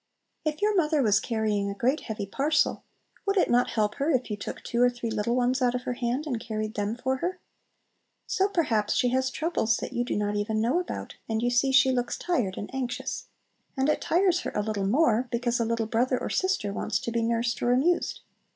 If your mother was carrying a great heavy parcel, would it not help her if you took two or three little ones out of her hand and carried them for her? So perhaps she has troubles that you do not even know about, and you see she looks tired and anxious. And it tires her a little more, because a little brother or sister wants to be nursed or amused.